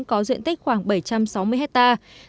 có diện tích khoảng bảy trăm sáu mươi hectare